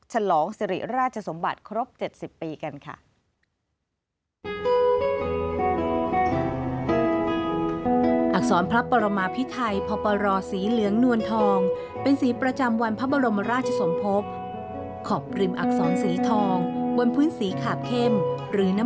ฉลองสิริราชสมบัติครบ๗๐ปีกันค่ะ